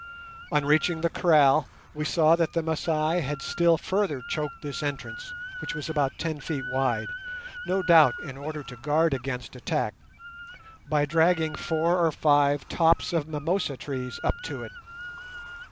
On reaching the kraal we saw that the Masai had still further choked this entrance, which was about ten feet wide—no doubt in order to guard against attack—by dragging four or five tops of mimosa trees up to it.